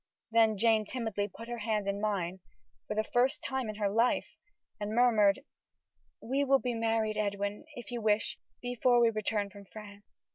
Then Jane timidly put her hand in mine, for the first time in her life, and murmured: "We will be married, Edwin, if you wish, before we return from France."